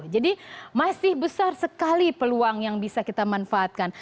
jadi masih besar sekali peluang yang bisa kita manfaatkan